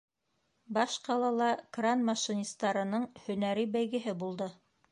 Баш ҡалала кран машинистарының һөнәри бәйгеһе булды